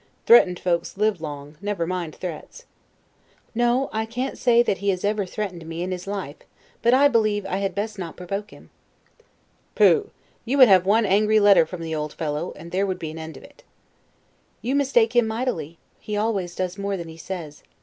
threatened folks live long; never mind threats. Stanhope. No, I can't say that he has ever threatened me in his life; but I believe I had best not provoke him. Englishman. Pooh! you would have one angry letter from the old fellow, and there would be an end of it. Stanhope. You mistake him mightily; he always does more than he says.